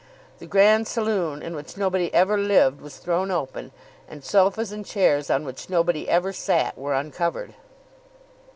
The grand saloon in which nobody ever lived was thrown open, and sofas and chairs on which nobody ever sat were uncovered.